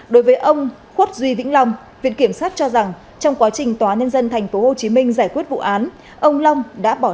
đối với ông khuất duy vĩnh long viện kiểm sát cho rằng trong quá trình tòa nhân dân tp hcm giải quyết vụ án ông long đã bỏ trốn